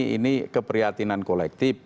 ini keprihatinan kolektif